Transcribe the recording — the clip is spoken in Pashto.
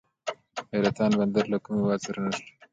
حیرتان بندر له کوم هیواد سره نښلوي؟